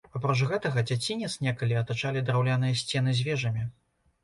Апроч гэтага, дзяцінец некалі атачалі драўляныя сцены з вежамі.